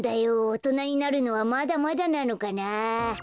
おとなになるのはまだまだなのかなあ。